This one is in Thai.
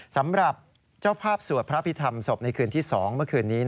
สำหรับเจ้าภาพสวดพระพิธรรมศพในคืนที่๒เมื่อคืนนี้